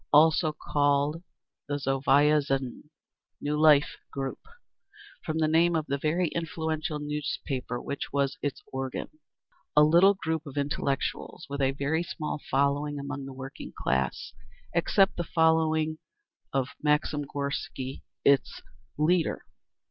_ Also called the Novaya Zhizn (New Life) group, from the name of the very influential newspaper which was its organ. A little group of intellectuals with a very small following among the working class, except the personal following of Maxim Gorky, its leader.